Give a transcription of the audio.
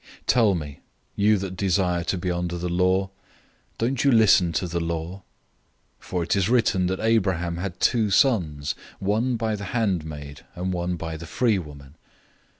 004:021 Tell me, you that desire to be under the law, don't you listen to the law? 004:022 For it is written that Abraham had two sons, one by the handmaid, and one by the free woman.